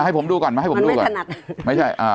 ไหนให้ผมดูก่อน